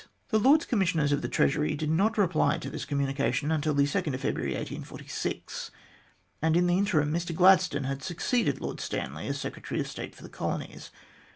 The Lords Commissioners of the Treasury did not reply to this communication until February 2, 1846, and in the interim Mr Gladstone had succeeded Lord Stanley as Secretary of State for the Colonies.